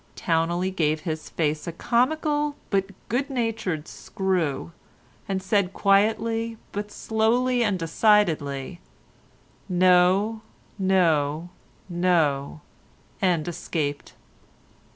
Towneley gave his face a comical but good natured screw, and said quietly, but slowly and decidedly, "No, no, no," and escaped.